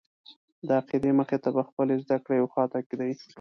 د عقیدې مخې ته به خپلې زده کړې یوې خواته ږدې.